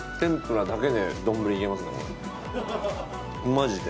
マジで。